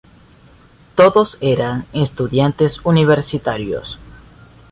Todos eran estudiantes universitarios.